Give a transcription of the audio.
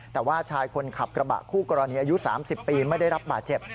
แต่ว่าชายคนขับกระบะคู่กรณีอายุ๓๐ปีไม่ได้รับบาดเจ็บ